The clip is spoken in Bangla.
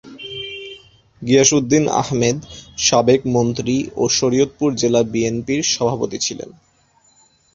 গিয়াস উদ্দিন আহমেদ সাবেক মন্ত্রী ও শরীয়তপুর জেলা বিএনপির সভাপতি ছিলেন।